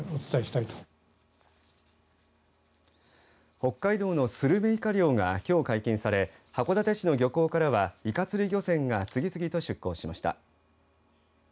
北海道のスルメイカ漁がきょう解禁され函館市の漁港からはイカ釣り漁船が次々と出向しました。